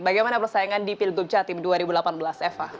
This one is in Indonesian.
bagaimana persaingan di pilgub jatim dua ribu delapan belas eva